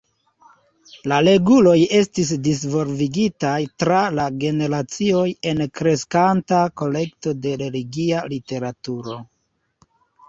La reguloj estis disvolvigitaj tra la generacioj en kreskanta kolekto de religia literaturo.